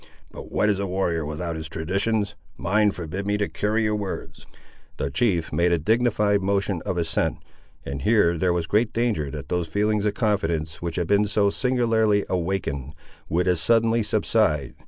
But what is a warrior without his traditions? Mine forbid me to carry your words." The chief made a dignified motion of assent, and here there was great danger that those feelings of confidence, which had been so singularly awakened, would as suddenly subside.